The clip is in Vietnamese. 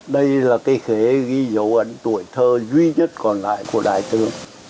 đây là cây khế ghi dấu ẩn tuổi thơ duy nhất còn lại của đại tướng